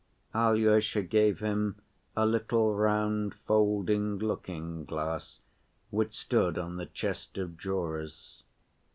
Alyosha gave him a little round folding looking‐glass which stood on the chest of drawers.